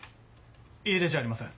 家出じゃありません。